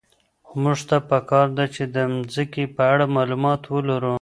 موږ ته په کار ده چي د مځکي په اړه معلومات ولرو.